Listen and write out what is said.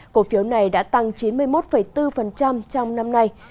cổ phiếu này đã tăng chín mươi một bốn trong năm nay